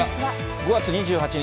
５月２８日